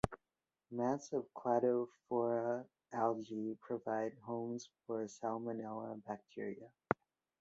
Mats of "Cladophora" algae provide homes for "Salmonella" bacteria.